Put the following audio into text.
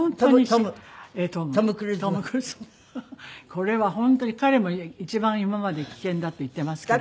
これは本当に彼も一番今までで危険だと言っていますけど。